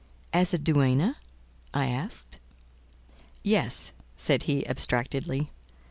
"As a duenna?" I asked. "Yes," said he abstractedly.